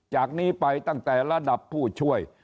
จากนี้ไปตั้งแต่ระดับผู้ช่วย